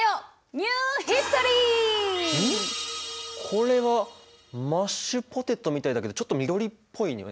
これはマッシュポテトみたいだけどちょっと緑っぽいね。